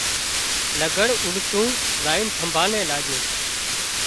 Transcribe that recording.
لگھڙ اوڏتون زائينَ ٿمڀا نين لاڄون